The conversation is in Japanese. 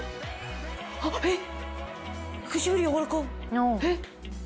はっ！えっ！？